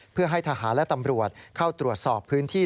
เพื่อให้ทหารและตำรวจเข้าตรวจสอบพื้นที่